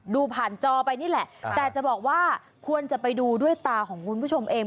ดูผ่านจอไปนี่แหละแต่จะบอกว่าควรจะไปดูด้วยตาของคุณผู้ชมเอง